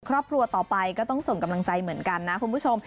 ครอบครัวต่อไปก็ต้องส่งกำลังใจเหมือนกันนะคุณผู้ชม